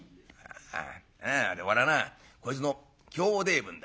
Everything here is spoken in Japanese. なあ俺はなこいつの兄弟分だ。